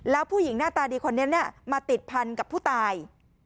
แล้วผู้หญิงหน้าตาดีคนนี้มาติดพันกับผู้ตาย